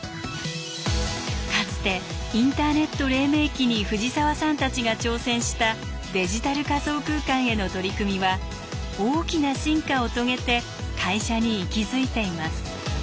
かつてインターネットれい明期に藤沢さんたちが挑戦したデジタル仮想空間への取り組みは大きな進化を遂げて会社に息づいています。